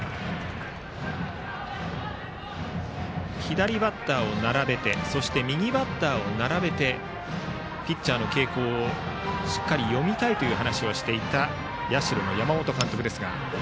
左バッターを並べてそして右バッターを並べてピッチャーの傾向をしっかり読みたいという話をしていた社の山本監督です。